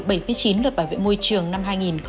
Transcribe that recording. điều bảy chín luật bảo vệ môi trường năm hai nghìn hai mươi